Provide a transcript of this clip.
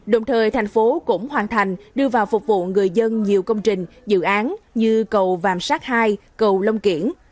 đồng thời thành phố cũng hoàn thành đưa vào phục vụ người dân nhiều công trình dự án như cầu vàm sát hai cầu long kiển